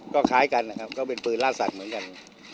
ก็คล้ายกันนะครับก็เป็นปืนล่าสัตว์เหมือนกัน